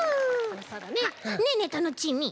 ねえねえタノチーミー。